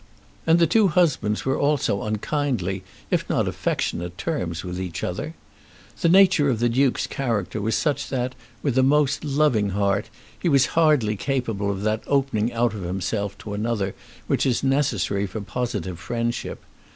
And the two husbands were also on kindly, if not affectionate, terms with each other. The nature of the Duke's character was such that, with a most loving heart, he was hardly capable of that opening out of himself to another which is necessary for positive friendship.